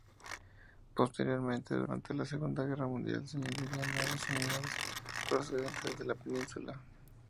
Posteriormente, durante la Segunda Guerra Mundial, se añadirían nuevas unidades procedentes de la península.